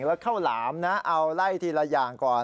แล้วข้าวหลามนะเอาไล่ทีละอย่างก่อน